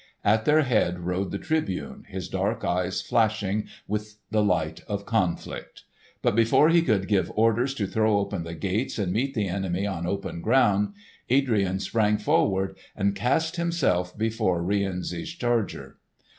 At their head rode the Tribune, his dark eyes flashing with the light of conflict. But before he could give orders to throw open the gates and meet the enemy on open ground, Adrian sprang forward and cast himself before Rienzi's charger.